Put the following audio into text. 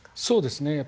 そうですね